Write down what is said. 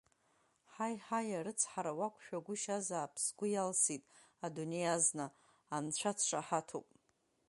Ҳаи, ҳаи, арыцҳара уақәшәагәышьазаап, сгәы иалсит адунеи азна, анцәа дшаҳаҭуп!